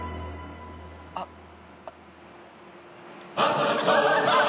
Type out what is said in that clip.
あっ。